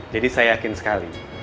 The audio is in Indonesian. jadi saya yakin sekali